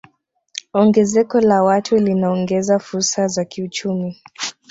Ongezeko la watu linaongeza fursa za kiuchumi